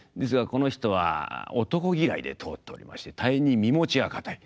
この人は男嫌いで通っておりまして大変に身持ちが堅い。